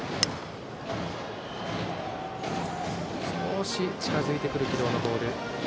少し近づいてくる軌道のボール。